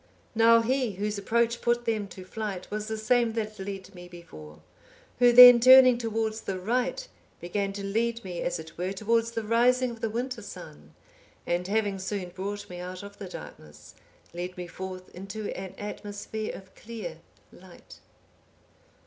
"Now he, whose approach put them to flight, was the same that led me before; who, then turning towards the right, began to lead me, as it were, towards the rising of the winter sun, and having soon brought me out of the darkness, led me forth into an atmosphere of clear light.